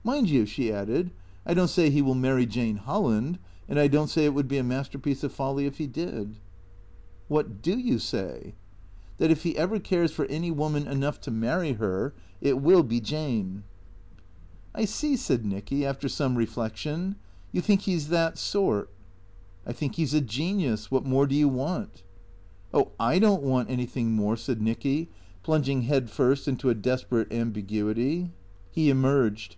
" Mind you," she added, " I don't say he will marry Jane Hol land, and I don't say it would be a masterpiece of folly if he did." " WhoX do you say ?"" That if he ever cares for any woman enough to marry her, it will be Jane." " 1 see," said Nicky, after some reflection. " You think he 's that sort?" " I think he 's a genius. What more do you want ?"" Oh, / don't want anything more," said Nicky, plunging head first into a desperate ambiguity. He emerged.